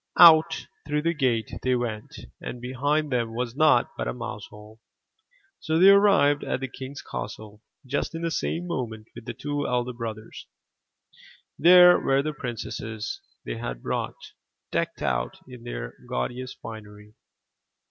Out through the gate they went and behind them was naught but a mouse hole. So they arrived at the king's castle just in the same moment with the two elder brothers. There were the Princesses they had brought, decked out in their gaudiest finery.